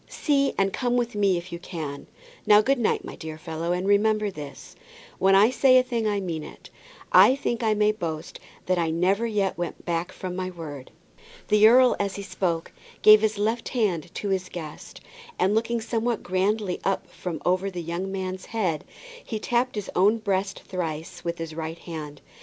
See and come with me if you can. Now, good night, my dear fellow, and remember this, when I say a thing I mean it. I think I may boast that I never yet went back from my word." The earl as he spoke gave his left hand to his guest, and looking somewhat grandly up over the young man's head, he tapped his own breast thrice with his right hand.